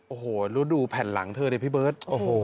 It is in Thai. โอ้โฮรู้ดูแผ่นหลังเธอดิพี่เบิร์ต